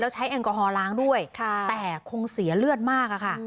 ใช้แอลกอฮอลล้างด้วยแต่คงเสียเลือดมากอะค่ะ